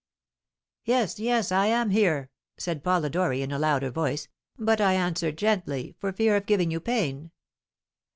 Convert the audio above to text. "Yes, yes, I am here," said Polidori, in a louder voice; "but I answered gently for fear of giving you pain."